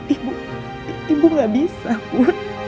ibu ibu gak bisa bu